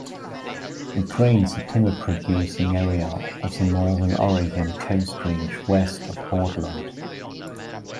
It drains a timber-producing area of the Northern Oregon Coast Range west of Portland.